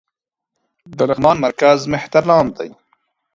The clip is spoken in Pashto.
د لغمان مرکز مهترلام دى